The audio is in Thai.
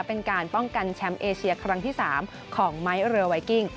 เป็นการป้องกันแชมป์เอเชียครั้งที่๓ของไม้เรือไวกิ้ง